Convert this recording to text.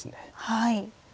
はい。